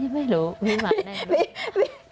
ไม่รู้พี่ไมล์ไหน